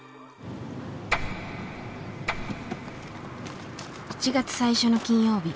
７月最初の金曜日。